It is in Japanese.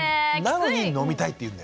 なのに飲みたいって言うんだよね。